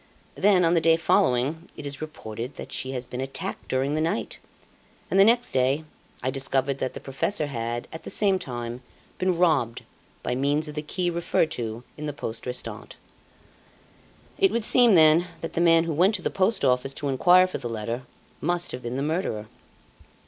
Then, on the day following, it is reported that she had been attacked during the night, and, the next day, I discovered that the Professor had, at the same time, been robbed by means of the key referred to in the poste restante letter. It would seem, then, that the man who went to the Post Office to inquire for the letter must have been the murderer.